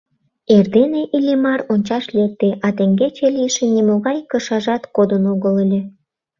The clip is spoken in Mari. Эрдене Иллимар ончаш лекте, а теҥгече лийшын нимогай кышажат кодын огыл ыле.